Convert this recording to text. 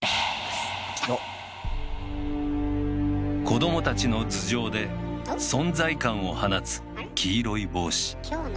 子どもたちの頭上で存在感を放つ黄色い帽子。